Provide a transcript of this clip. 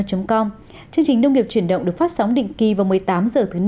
chương trình nông nghiệp chuyển động được phát sóng định kỳ vào một mươi tám h thứ năm